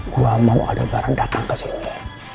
gua mau ada barang datang kesini